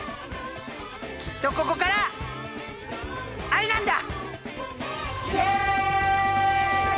きっとここから藍なんだ！